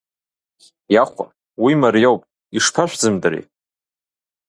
Иахәа, уи мариоуп, ишԥашәзымдри!